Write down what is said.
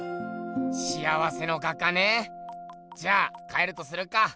幸せの画家ねじゃあ帰るとするか。